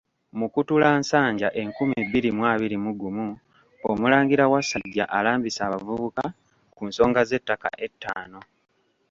Mukutulansanja enkumi bbiri mu abiri mu gumu, Omulangira Wasajja alambise abavubuka ku nsonga z'ettaka ettaano.